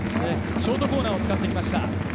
ショートコーナーを使ってきました。